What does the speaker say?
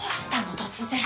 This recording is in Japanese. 突然。